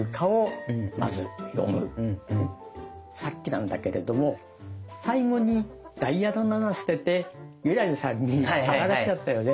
さっきなんだけれども最後にダイヤの７捨てて優良梨さんにあがらせちゃったよね。